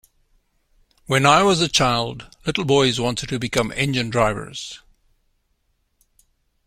When I was a child, little boys wanted to become engine drivers.